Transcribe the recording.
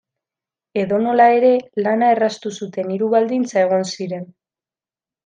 Edonola ere, lana erraztu zuten hiru baldintza egon ziren.